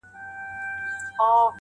پاچاهان د يوه بل سيمو ته غله وه،